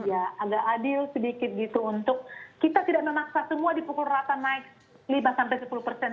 agak adil sedikit gitu untuk kita tidak memaksa semua di pukul rata naik lima sampai sepuluh persen